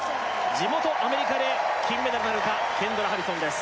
地元アメリカで金メダルなるかケンドラ・ハリソンです